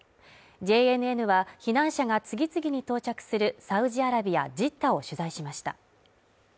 ＪＮＮは避難者が次々に到着するサウジアラビアジッタを取材しました。